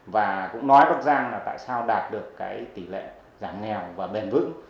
và cũng nói bắc giang là tại sao đạt được cái tỷ lệ giảm nghèo và bền vững